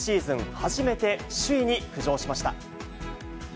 初めて首位に浮上しました。